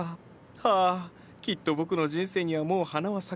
はあきっと僕の人生にはもう花は咲かない。